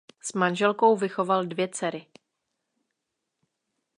S manželkou vychoval dvě dcery.